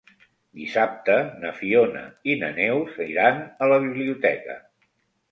Dissabte na Fiona i na Neus iran a la biblioteca.